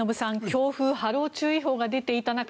強風・波浪注意報が出ていた中